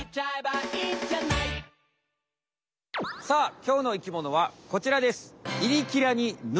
さあきょうの生きものはこちらです。